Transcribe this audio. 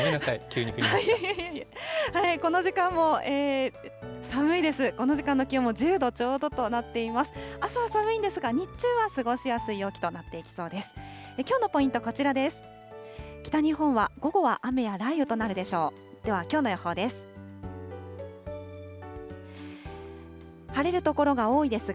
朝は寒いんですが、日中は過ごしやすい陽気となっていきそうです。